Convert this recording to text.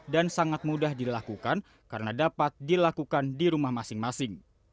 dan sangat mudah dilakukan karena dapat dilakukan di rumah masing masing